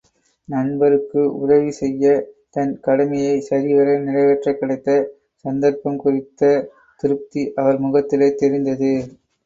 நண்பருக்கு உதவி செய்ய தன் கடமையை சரிவர நிறைவேற்ற கிடைத்த சந்தர்ப்பம் குறித்த திருப்தி, அவர் முகத்தில் தெரிந்தது.